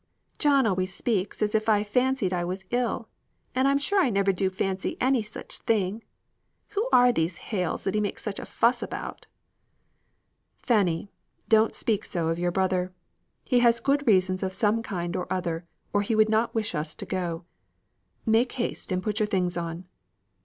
"John always speaks as if I fancied I was ill, and I am sure I never do fancy any such thing. Who are these Hales that he makes such a fuss about?" "Fanny, don't speak so of your brother. He has good reasons of some kind or other, or he would not wish us to go. Make haste and put your things on."